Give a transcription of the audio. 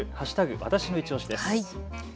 わたしのいちオシです。